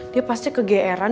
dia pasti kegeeran